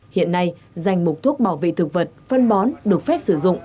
hiện nay danh mục thuốc bảo vệ thực vật phân bón được phép sử dụng